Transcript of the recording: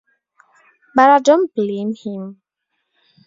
But I don't blame him.